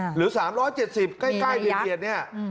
๓๕๐หรือ๓๗๐ใกล้เย็นเนี่ย